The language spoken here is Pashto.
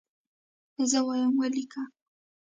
زه وایم ولیکه.